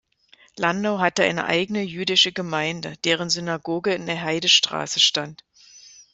Landau hatte eine eigene jüdische Gemeinde, deren Synagoge in der Heidestraße stand.